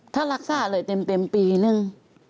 ถ้ารักษาเลยเต็มปีนึง